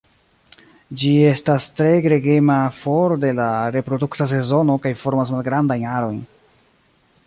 Ĝi estas tre gregema for de la reprodukta sezono kaj formas malgrandajn arojn.